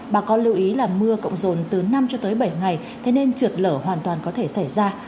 bà con lưu ý là mưa cộng dồn từ năm cho tới bảy ngày thế nên trượt lở hoàn toàn có thể xảy ra